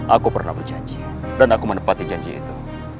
aku pernah berjanji dan aku menepati janji itu